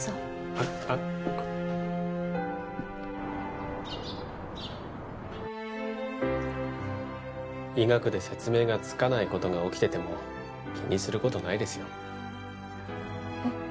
ああっ医学で説明がつかないことが起きてても気にすることないですよえっ？